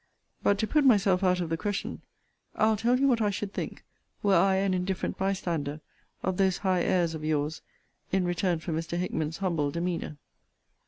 But to put myself out of the question I'll tell you what I should think, were I an indifferent by stander, of those high airs of your's, in return for Mr. Hickman's humble demeanour.